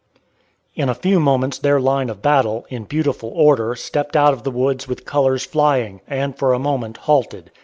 In a few moments their line of battle, in beautiful order, stepped out of the woods with colors flying, and for a moment halted.